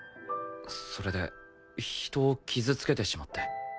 それで人を傷つけてしまって。